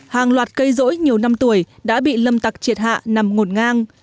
hàng loạt cây rỗi nhiều năm tuổi đã bị lâm tặc triệt hạ nằm ngổn ngang